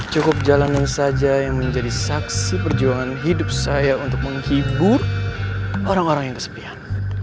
cukup jalanin saja yang menjadi saksi perjuangan hidup saya untuk menghibur orang orang yang kesepian